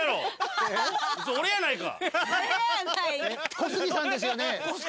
小杉さんですよね？